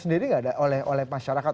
sendiri gak oleh masyarakat